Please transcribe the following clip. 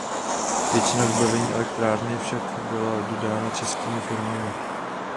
Většina vybavení elektrárny však byla dodána českými firmami.